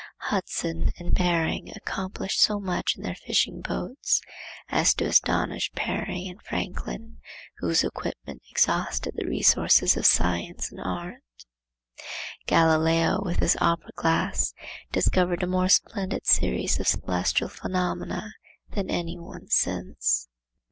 Hudson and Behring accomplished so much in their fishing boats as to astonish Parry and Franklin, whose equipment exhausted the resources of science and art. Galileo, with an opera glass, discovered a more splendid series of celestial phenomena than any one since.